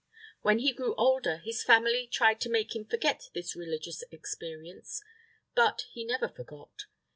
When he grew older, his family tried to make him forget this religious experience, but he never forgot.